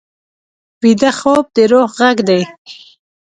ویده خوب د روح غږ دی